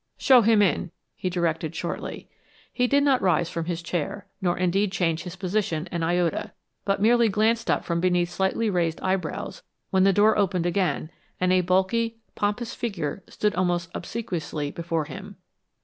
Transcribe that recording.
"Show him in," he directed, shortly. He did not rise from his chair, nor indeed change his position an iota, but merely glanced up from beneath slightly raised eyebrows, when the door opened again and a bulky, pompous figure stood almost obsequiously before him.